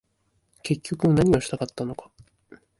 結局何をしたかったのか